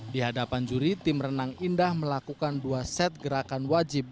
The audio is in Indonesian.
di hadapan juri tim renang indah melakukan dua set gerakan wajib